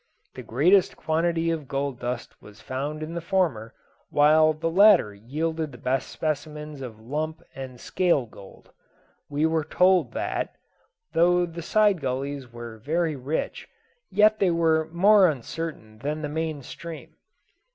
The greatest quantity of gold dust was found in the former, while the latter yielded the best specimens of lump and scale gold. We were told that, though the side gullies were very rich, yet they were more uncertain than the main stream.